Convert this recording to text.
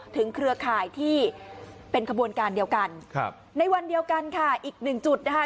เครือข่ายที่เป็นขบวนการเดียวกันครับในวันเดียวกันค่ะอีกหนึ่งจุดนะคะ